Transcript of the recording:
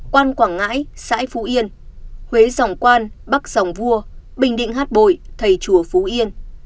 quan quảng ngãi xã phú yên huế dòng quan bắc dòng vua bình định hát bội thầy chùa phú yên